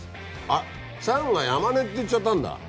あっチャンが山根って言っちゃったんだ。